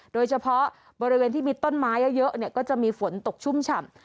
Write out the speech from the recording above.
โดยเฉพาะบริเวณที่มีต้นไม้เยอะก็จะมีฝนตกชุ่มฉ่ำ